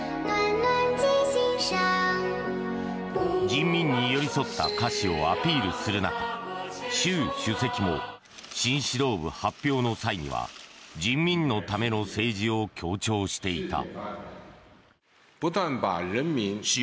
人民に寄り添った歌詞をアピールする中習主席も新指導部発表際には人民のための政治を強調していた。